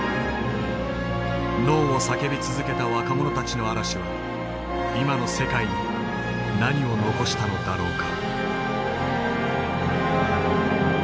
ＮＯを叫び続けた若者たちの嵐は今の世界に何を残したのだろうか。